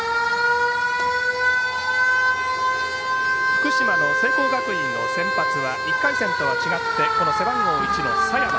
福島の聖光学院の先発は１回戦とは違って背番号１の佐山。